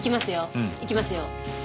うん。いきますよ。